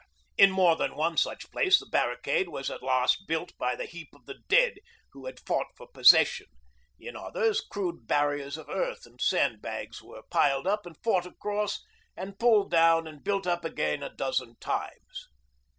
In more than one such place the barricade was at last built by the heap of the dead who had fought for possession; in others, crude barriers of earth and sandbags were piled up and fought across and pulled down and built up again a dozen times.